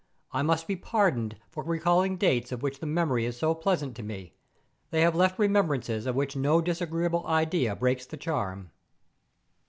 I must be pardoned for recalling dates of which the memory is so pleasant to me; they have left remembrances of which no disagreeable idea breaks the charm.